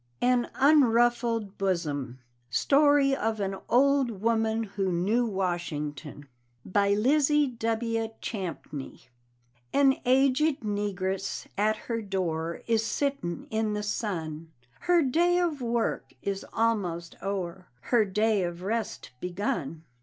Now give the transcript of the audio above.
AN UNRUFFLED BOSOM. (Story of an old Woman who knew Washington.) BY LIZZIE W. CHAMPNEY. An aged negress at her door Is sitting in the sun; Her day of work is almost o'er, Her day of rest begun.